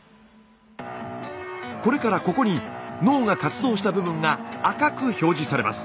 これからここに脳が活動した部分が赤く表示されます。